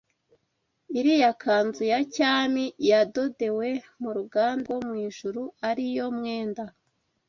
iriya kanzu ya cyami yadodewe mu ruganda rwo mu ijuru ari yo mwenda